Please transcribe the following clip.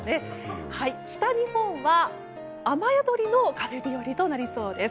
北日本は雨宿りのカフェ日和となりそうです。